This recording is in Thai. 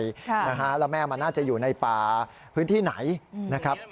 แล้วแม่มันน่าจะอยู่ในป่าพื้นที่ไหนนะครับ